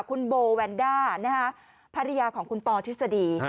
คุณโบแวนด้าภรรยาของคุณปอทฤษฎี